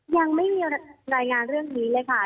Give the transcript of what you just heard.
ยังไม่มีรายงานเรื่องนี้เลยค่ะ